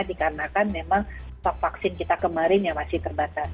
dikarenakan memang stok vaksin kita kemarin yang masih terbatas